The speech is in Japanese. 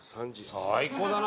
最高だな！